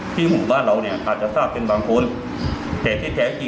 นี่นะเอาเสร็จยังเสร็จแล้วสิ